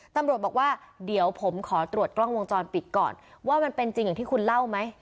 ตำรวจบอกว่าเดี๋ยวผมขอตรวจกล้องวงจรปิดก่อนว่ามันเป็นจริงอย่างที่คุณเล่าไหม